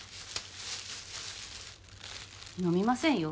飲みませんよ